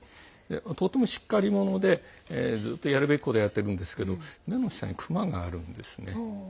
とてもしっかり者でずっとやるべきことをやってるんですけど目の下にクマがあるんですね。